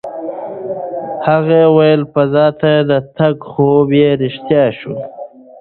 هغې وویل فضا ته د تګ خوب یې رښتیا شو.